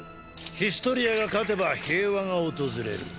ヒストリアが勝てば平和が訪れる。